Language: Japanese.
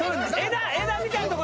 枝みたいなとこ。